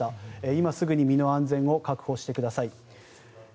今すぐに身の安全を確保してください。